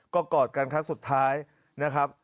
ก็กอดกันครั้งสุดท้ายนะครับ